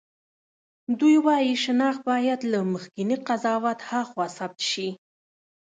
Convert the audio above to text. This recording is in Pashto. دوی وايي شناخت باید له مخکېني قضاوت هاخوا ثبت شي.